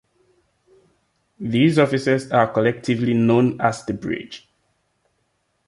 These officers are collectively known as the Bridge.